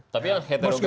tapi yang heterogen ini